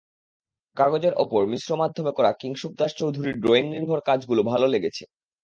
কাগজের ওপর মিশ্র মাধ্যমে করা কিংশুক দাশ চৌধুরীর ড্রয়িংনির্ভর কাজগুলো ভালো লেগেছে।